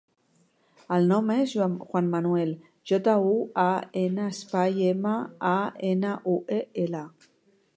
El nom és Juan manuel: jota, u, a, ena, espai, ema, a, ena, u, e, ela.